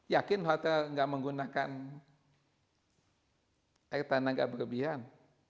yakin hotel enggak menggunakan air tanah enggak berlebihan